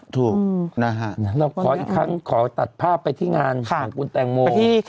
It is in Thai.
ถอดหน่อยขอตัดภาพไปที่นางกุฎแต่งโม